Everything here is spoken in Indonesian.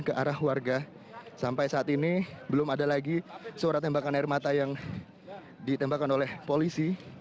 ke arah warga sampai saat ini belum ada lagi suara tembakan air mata yang ditembakkan oleh polisi